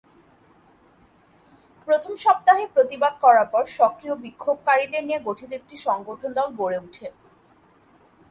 প্রথম সপ্তাহে প্রতিবাদ করার পর সক্রিয় বিক্ষোভকারীদের নিয়ে গঠিত একটি সংগঠন দল গড়ে উঠে।